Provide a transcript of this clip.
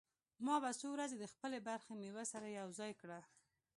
ما به څو ورځې د خپلې برخې مېوه سره يوځاى کړه.